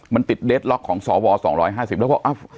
มันติดเดทล็อกของสว๒๕๐แล้วก็